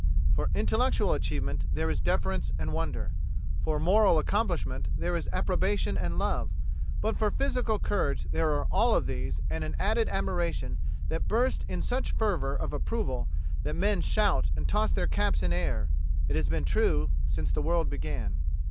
For intellectual achievement there is deference and wonder, for moral accomplishment there is approbation and love, but for physical courage there are all of these and an added admiration that bursts in such fervor of approval that men shout and toss their caps in air. It has been true, since the world began.